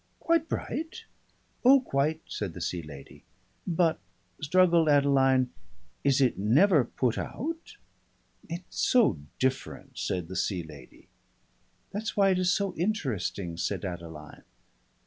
"Quite bright?" "Oh, quite," said the Sea Lady. "But " struggled Adeline, "is it never put out?" "It's so different," said the Sea Lady. "That's why it is so interesting," said Adeline.